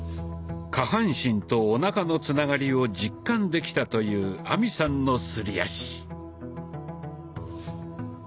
下半身とおなかのつながりを実感できたという亜美さんのすり足。